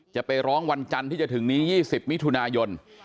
จะไปร้องวันจันทร์ที่จะถึงนี้๒๐มิถุนายน